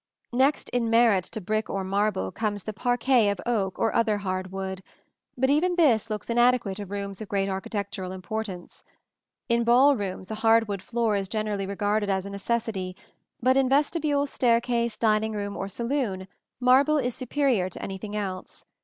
Next in merit to brick or marble comes the parquet of oak or other hard wood; but even this looks inadequate in rooms of great architectural importance. In ball rooms a hard wood floor is generally regarded as a necessity; but in vestibule, staircase, dining room or saloon, marble is superior to anything else.